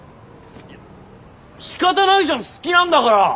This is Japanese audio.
いやしかたないじゃん好きなんだから。